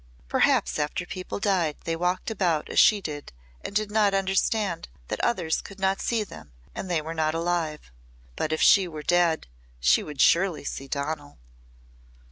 Perhaps after people died they walked about as she did and did not understand that others could not see them and they were not alive. But if she were dead she would surely see Donal.